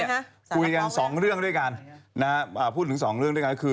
ศาลรับเข้าไปคุยกันสองเรื่องด้วยกันนะฮะพูดถึงสองเรื่องด้วยกันคือ